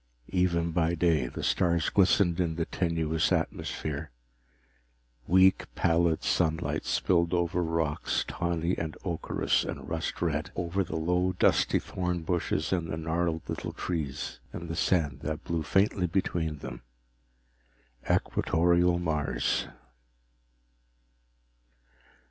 Even by day, the stars glistened in the tenuous atmosphere. Weak pallid sunlight spilled over rocks tawny and ocherous and rust red, over the low dusty thorn bushes and the gnarled little trees and the sand that blew faintly between them. Equatorial Mars!